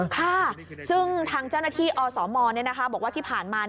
ค่ะซึ่งทางเจ้าหน้าที่อสมบอกว่าที่ผ่านมา